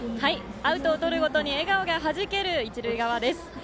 アウトをとるごとに笑顔がはじける一塁側です。